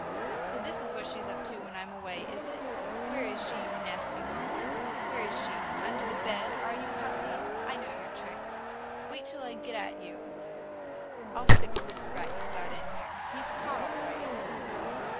"So this is what she's up to when I'm away, is it? Where is she, you nasty whelp, where is she? Under the bed, are you, hussy? I know your tricks! Wait till I get at you! I'll fix this rat you've got in here. He's caught, all right!"